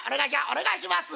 「お願いします」。